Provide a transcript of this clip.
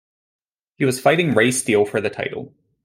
He was fighting Ray Steele for the title.